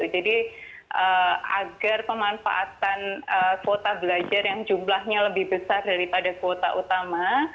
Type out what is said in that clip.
jadi agar pemanfaatan kuota belajar yang jumlahnya lebih besar daripada kuota utama